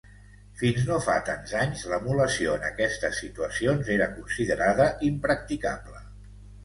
Fins no fa tants anys, l'emulació en aquestes situacions era considerada impracticable.